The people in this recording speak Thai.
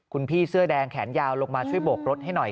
คุณพี่เสื้อแดงแขนยาวลงมาช่วยโบกรถให้หน่อย